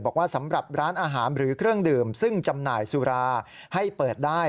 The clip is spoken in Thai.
สำหรับร้านอาหารหรือเครื่องดื่มซึ่งจำหน่ายสุราให้เปิดได้